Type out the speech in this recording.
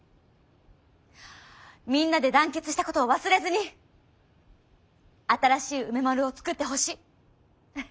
みんなで団結したことを忘れずに新しい梅丸を作ってほしい。